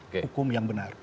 proses hukum yang benar